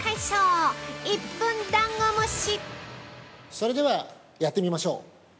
◆それでは、やってみましょう。